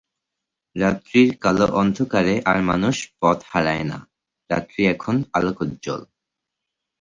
রাত্রির কালো অন্ধকারে আর মানুষ পথ হারায় না, রাত্রি এখন আলোকজ্জ্বল।